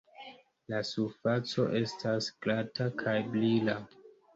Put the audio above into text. La surfaco estas glata kaj brila.